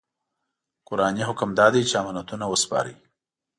قرآني حکم دا دی چې امانتونه وسپارئ.